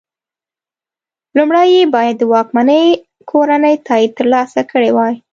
لومړی یې باید د واکمنې کورنۍ تایید ترلاسه کړی وای.